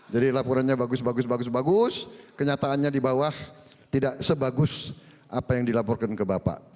jadi laporannya bagus bagus bagus bagus kenyataannya di bawah tidak sebagus apa yang dilaporkan ke bapak